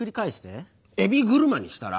エビ車にしたら。